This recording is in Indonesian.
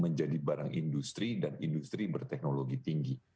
menjadi barang industri dan industri berteknologi tinggi